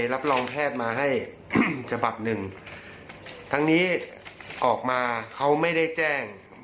รับรองแพทย์มาให้ฉบับหนึ่งทั้งนี้ออกมาเขาไม่ได้แจ้ง